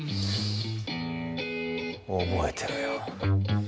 覚えてろよ。